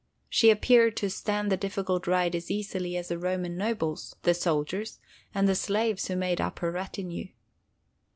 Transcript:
She appeared to stand the difficult ride as easily as the Roman nobles, the soldiers, and the slaves who made up her retinue.